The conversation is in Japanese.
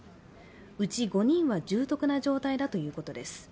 うち５人は重篤な状態だということです。